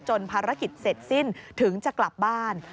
ภารกิจเสร็จสิ้นถึงจะกลับบ้าน